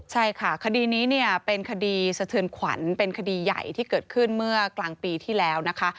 ใช่ค่ะคดีนี้เนี่ยเป็นคดีสะเทือนขวัญเป็นคดีใหญ่ที่เกิดขึ้นเมื่อกลางปีที่แล้วนะคะ